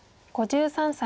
５３歳。